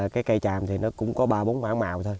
cây tràm thì nó cũng có ba bốn bản màu thôi